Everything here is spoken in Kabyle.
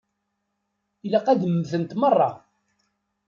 Ilaq ad mmtent merra.